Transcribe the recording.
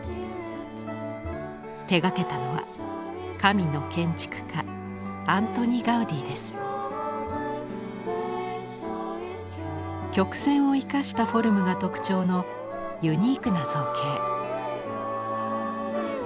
手がけたのは「神の建築家」曲線を生かしたフォルムが特徴のユニークな造形。